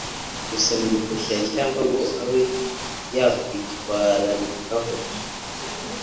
gusaba uruhushya cyangwa ngo abe yakwitwararikaho